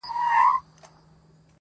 • مُلا را ووزي مرد میدان سي -